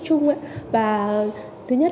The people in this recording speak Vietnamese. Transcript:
chung và thứ nhất